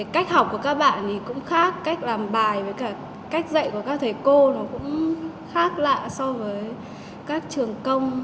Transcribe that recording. cách học của các bạn cũng khác cách làm bài cách dạy của các thầy cô cũng khác lạ so với các trường công